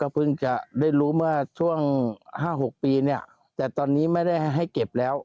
เพิ่งจะได้รู้เมื่อช่วง๕๖ปีเนี่ยแต่ตอนนี้ไม่ได้ให้เก็บแล้ว